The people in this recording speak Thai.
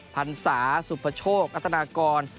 พันศาสุพโชครัตนากร